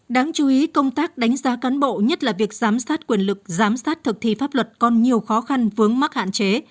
đáng chú ý công tác đánh giá cán bộ nhất là việc giám sát quyền lực giám sát thực thi pháp luật còn nhiều khó khăn vướng mắc hạn chế